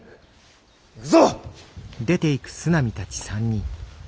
行くぞ！